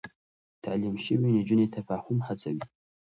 تعليم شوې نجونې تفاهم هڅوي.